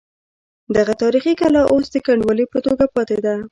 دغه تاریخي کلا اوس د کنډوالې په توګه پاتې ده.